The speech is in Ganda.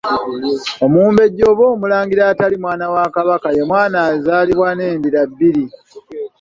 Omumbejja oba Omulangira atali mwana wa Kabaka ye mwana azaalibwa n’endira ebbiri.